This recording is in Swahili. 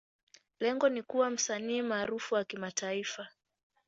Lengo ni kuwa msanii maarufu wa kimataifa.